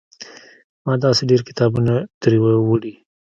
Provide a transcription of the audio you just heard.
ما داسې ډېر کتابونه ترې وړي.